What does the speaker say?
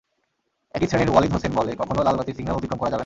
একই শ্রেণির ওয়ালিদ হোসেন বলে, কখনো লালবাতির সিগন্যাল অতিক্রম করা যাবে না।